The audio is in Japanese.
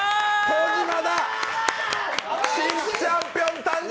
小島だ、新チャンピオン誕生。